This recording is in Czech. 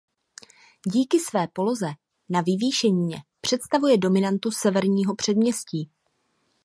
Díky své poloze na vyvýšenině představuje dominantu severního předměstí.